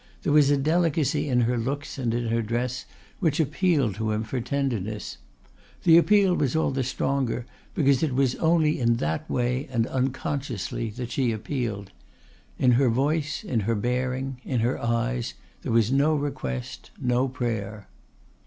There was a delicacy in her looks and in her dress which appealed to him for tenderness. The appeal was all the stronger because it was only in that way and unconsciously that she appealed. In her voice, in her bearing, in her eyes there was no request, no prayer.